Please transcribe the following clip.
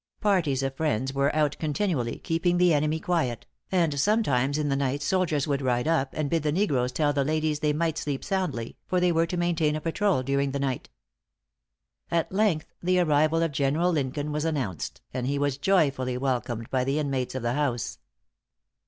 Parties of friends were out continually, keeping the enemy quiet; and sometimes in the night soldiers would ride up, and bid the negroes tell the ladies they might sleep soundly, for they were to maintain a patrol during the night. At length the arrival of General Lincoln was announced; and he was joyfully welcomed by the inmates of the house.